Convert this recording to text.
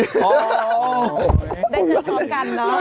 ได้เชิญท้อมกันนะ